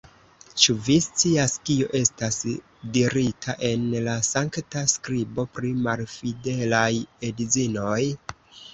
Ĉu vi scias, kio estas dirita en la Sankta Skribo pri malfidelaj edzinoj?